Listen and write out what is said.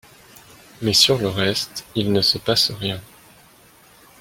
Mais sur le reste, il ne se passe rien.